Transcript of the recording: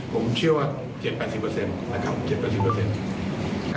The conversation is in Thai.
ผมเชื่อว่า๗๘๐นะครับ๗๘๐